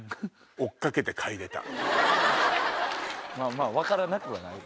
まぁ分からなくはない。